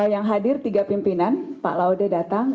yang hadir tiga pimpinan pak laude datang